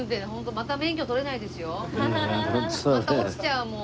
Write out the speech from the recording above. また落ちちゃうもう。